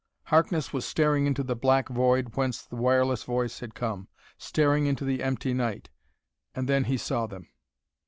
Harkness was staring into the black void whence the wireless voice had come staring into the empty night. And then he saw them.